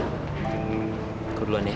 aku duluan ya